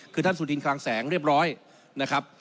คือท่านสุดินคลังแสงเรียบร้อยนะครับ